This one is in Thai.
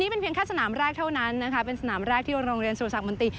เป็นเพียงแค่สนามแรกเท่านั้นนะคะเป็นสนามแรกที่โรงเรียนสุรสักมนตรี